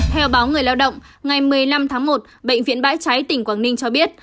theo báo người lao động ngày một mươi năm tháng một bệnh viện bãi cháy tỉnh quảng ninh cho biết